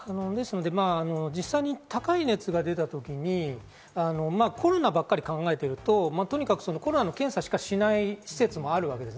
実際に高い熱が出たときに、コロナばっかり考えているとコロナの検査しかしない施設もあるわけです。